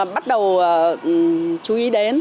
bắt đầu chú ý đến